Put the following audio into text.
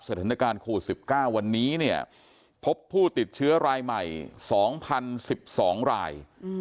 สถานการณ์โควิด๑๙วันนี้เนี่ยพบผู้ติดเชื้อรายใหม่๒๐๑๒ราย